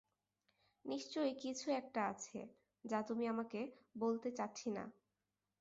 নিশ্চয়ই কিছু-একটা আছে, যা তুমি আমাকে বলতে চাচ্ছি না।